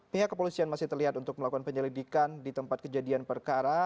pihak kepolisian masih terlihat untuk melakukan penyelidikan di tempat kejadian perkara